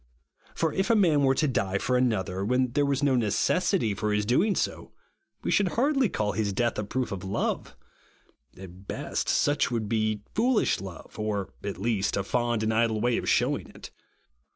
For if a man wcTG to die for another, when there was no RIGHTEOUS GRACE. 47 necessity for his doing so, we should hardly all his death a proof of love. At best, such would be foolish love, or, at least, a fond and idle way of shewing it.